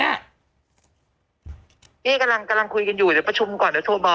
นี่กำลังคุยคุยกันอยู่